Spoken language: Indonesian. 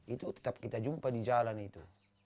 itu tetap kita jumpa di jalan itu